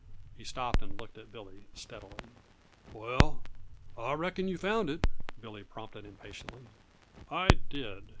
He stopped and looked at Billy steadily. "Well, I reckon yuh found it," Billy prompted impatiently. "I did.